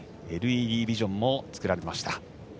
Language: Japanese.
ＬＥＤビジョンも作られました。